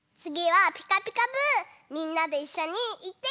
みんなでいっしょにいってみよう！